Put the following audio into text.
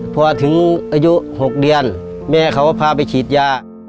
พอถึงอายุ๖เดือนแม่เขาก็พาไปฉีดยา